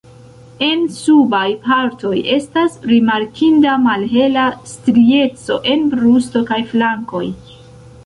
En subaj partoj estas rimarkinda malhela strieco en brusto kaj flankoj.